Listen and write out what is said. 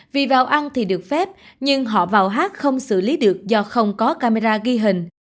vì vào ăn thì được phép nhưng họ vào hát không xử lý được do không có camera ghi hình